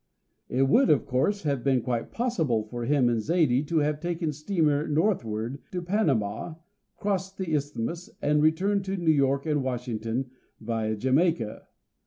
It would, of course, have been quite possible for him and Zaidie to have taken steamer northward to Panama, crossed the Isthmus, and returned to New York and Washington viâ Jamaica.